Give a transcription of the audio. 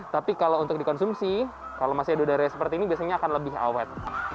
tapi kalau untuk dikonsumsi kalau masih ada udara seperti ini biasanya akan lebih awet